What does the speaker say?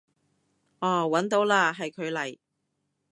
哦搵到嘞，係佢嚟